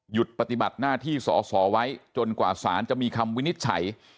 ปฏิบัติหน้าที่สอสอไว้จนกว่าสารจะมีคำวินิจฉัย